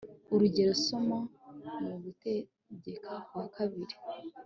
urugero soma mu gutegeka kwa kabiri